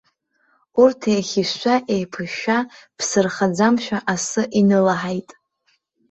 Урҭ еихьышәшәа-еиԥышәшәа, ԥсы рхаӡамкәа асы инылаҳаит.